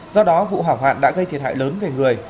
do đó vụ hỏa hoạn đã gây thiệt hại lớn về người